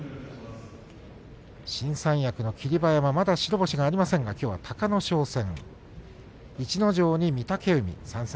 新三役の霧馬山、まだ白星がありませんがきょうは隆の勝戦。